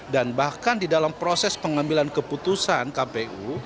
dan bahkan di dalam proses pengambilan keputusan kpu